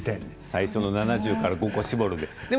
最初の７０から５個、絞る時点で。